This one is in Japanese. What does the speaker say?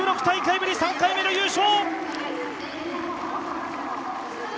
３大会目の優勝。